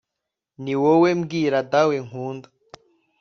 ni wowe mbwira dawe nkunda